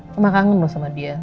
cuma kangen loh sama dia